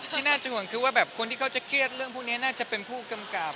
ที่น่าจะห่วงคือว่าแบบคนที่เขาจะเครียดเรื่องพวกนี้น่าจะเป็นผู้กำกับ